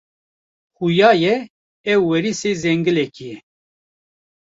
Xuya ye, ev werîsê zengilekî ye.